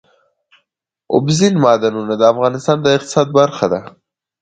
اوبزین معدنونه د افغانستان د اقتصاد برخه ده.